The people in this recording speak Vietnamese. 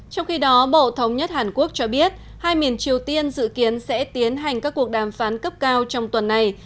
trong khi đó bộ thống nhất hàn quốc cho biết hai miền triều tiên dự kiến sẽ tiến hành các cuộc đàm phán cấp cao trong tuần này